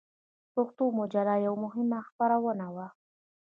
پښتون مجله یوه مهمه خپرونه وه.